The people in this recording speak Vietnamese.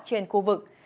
trên đất nước